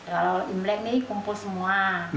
kalau imlek nih kumpul semua